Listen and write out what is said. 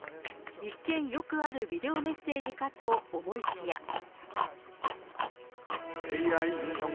一見、よくあるビデオメッセージかと思いきや。